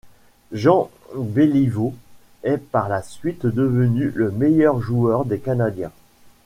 Jean Béliveau est par la suite devenu le meilleur joueur des Canadiens.